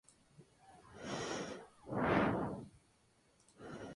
Ha sido traducida en muchos idiomas.